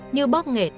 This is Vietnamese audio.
như bóp nghẹt